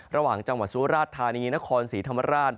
ระหว่างจังหวัดสุราชธานีนครศรีธรรมราช